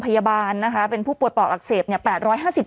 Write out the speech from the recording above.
พยาบาลนะคะเป็นผู้ปวดปลอดอักเสบเนี้ยแปดร้อยห้าสิบ